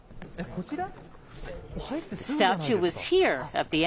こちら？